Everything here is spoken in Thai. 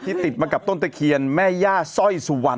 ติดมากับต้นตะเคียนแม่ย่าสร้อยสุวรรณ